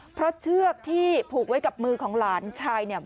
เพราะเชือกที่ผูกไว้กับมือของหลานชายเนี่ย